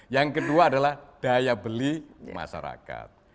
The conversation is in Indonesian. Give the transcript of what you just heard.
yang kedua adalah daya beli masyarakat